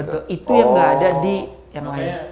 itu yang nggak ada di yang lain